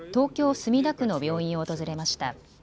墨田区の病院を訪れました。